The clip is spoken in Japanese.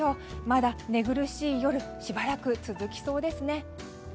まだ寝苦しい夜はしばらく続きそうですね。